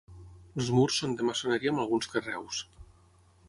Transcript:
Els murs són de maçoneria amb alguns carreus.